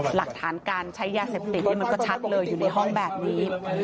หลักฐานการใช้ยาเสพติดนี่มันก็ชัดเลยอยู่ในห้องแบบนี้